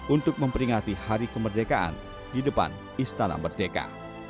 untuk memperingati hari kemerdekaan di depan istana merdeka